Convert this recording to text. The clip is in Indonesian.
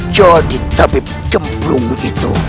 jadi tabib gemblung itu